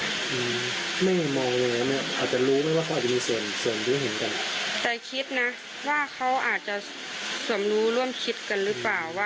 แต่คิดนะว่าเขาอาจจะสวมรู้ร่วมคิดกันหรือเปล่าว่า